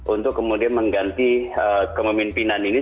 untuk kemudian mengganti kepemimpinan ini